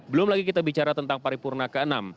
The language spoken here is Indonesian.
belum lagi kita bicara tentang paripurna ke enam